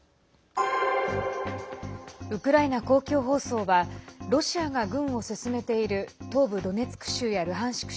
ウクライナ公共放送はロシアが軍を進めている東部ドネツク州やルハンシク